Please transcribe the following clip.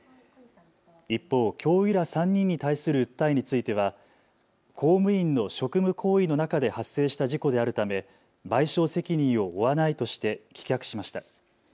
一方、教諭ら３人に対する訴えについては公務員の職務行為の中で発生した事故であるため賠償責任を負わないとして棄却しました。